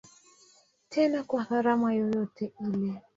Tena kwa gharama yoyote ile.